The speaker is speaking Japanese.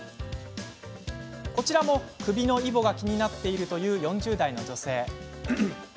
こちらも首のイボが気になっている４０代の女性。